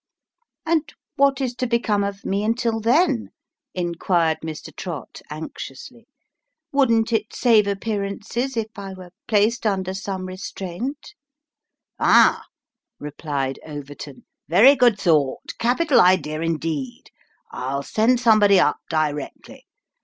" And what is to become of mo until then ?" inquired Mr. Trott, anxiously. " Wouldn't it save appearances, if I were placed under some restraint ?" 314 Sketches by Boz. "Ah !" replied Overton, " very good thought capital idea indeed. I'll send somebody up directly.